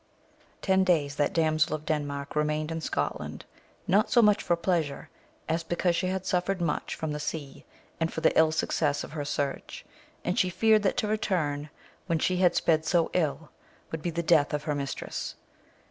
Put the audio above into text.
EN days that Damsel of Denmark remained in Scotland, not so much for pleasure, as because she had suffered much from the &ea, and for the ill success of her search, and she feared that to return, when she had sped so ill, would be the death of her mistress.